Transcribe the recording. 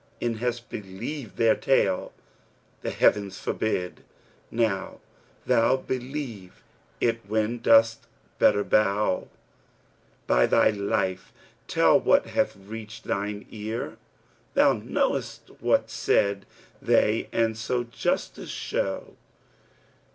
An hast believed their tale, the Heavens forbid * Now thou believe it when dost better bow! By thy life tell what hath reached thine ear, * Thou know'st what said they and so justice show.